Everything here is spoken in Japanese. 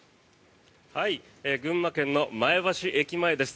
群馬県の前橋駅前です。